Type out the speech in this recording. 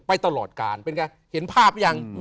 ไปตลอดกาลเป็นไงเห็นภาพหรือยัง